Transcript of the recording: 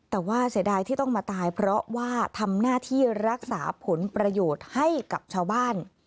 แต่ว่าเสียดายที่ต้องมาตายเพราะว่าทำหน้าที่รักษาผลประโยชน์ให้กับชาวบ้าน